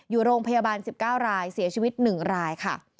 อยู่โรงพยาบาล๑๙รายเสียชีวิต๑รายค่ะ